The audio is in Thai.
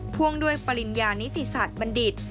พ่วงด้วยปริญญานิติศาสตร์บัณฑิต